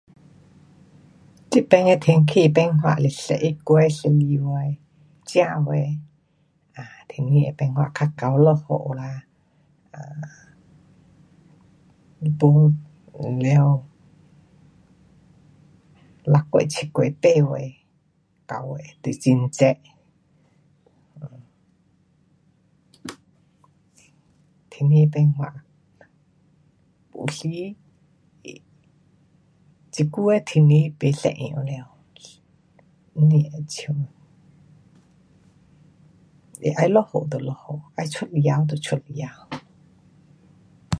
这边的天气变化是十一月十二月，正月，啊，天气会变化，较常落雨啦，呃，没了，六月，七月，八月，九月就很热。天气变化，有时，这久的天气不一样了。不好像，它要落雨就落雨，要出日头就出日头。